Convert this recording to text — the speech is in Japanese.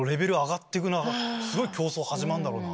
すごい競争始まるんだろうな。